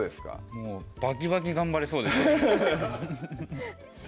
もうバキバキ頑張れそうです